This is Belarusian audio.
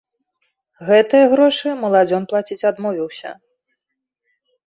Гэтыя грошы маладзён плаціць адмовіўся.